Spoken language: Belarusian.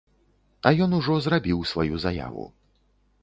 А ён ужо зрабіў сваю заяву.